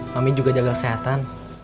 mami juga jaga kesehatan